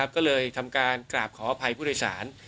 ก็เลยทำการกราบขออภัยผู้โดยสาร